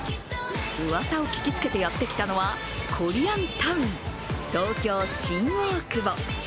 うわさを聞きつけてやってきたのは、コリアンタウン東京新大久保。